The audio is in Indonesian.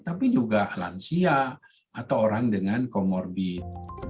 tapi juga lansia atau orang dengan comorbid